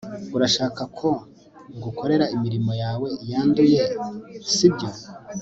urashaka ko ngukorera imirimo yawe yanduye, sibyo